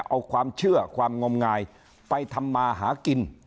เอาความเชื่อความงมงายไปทำมาหากิน